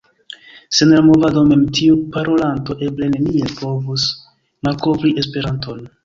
Sen la Movado mem tiu parolanto eble neniel povus malkovri Esperanton.